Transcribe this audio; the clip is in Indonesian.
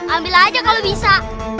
ambil aja kalau bisa